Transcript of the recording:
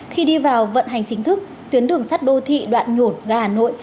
khi đi vào vận hành chính thức tuyến đường sắt đô thị đoạn nhổn ga hà nội